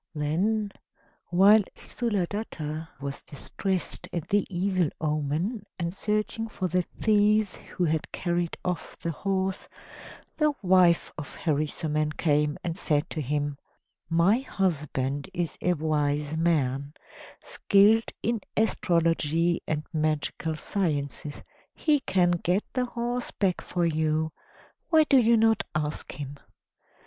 Then, while Sthuladatta was distressed at the evil omen, and searching for the thieves who had carried off the horse, the wife of Harisarman came and said to him: "My husband is a wise man, skilled in astrology and magical sciences; he can get the horse back for you why do you not ask him?"